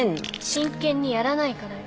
真剣にやらないからよ。